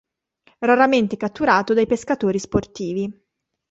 Raramente catturato dai pescatori sportivi.